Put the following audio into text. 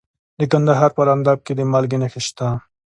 د کندهار په ارغنداب کې د مالګې نښې شته.